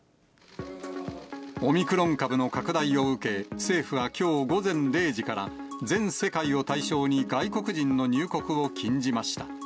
オミクロン株の拡大を受け、政府はきょう午前０時から、全世界を対象に外国人の入国を禁じました。